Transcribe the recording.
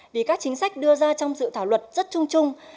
vì các chính sách đưa ra trong dự thảo luật rất chung chung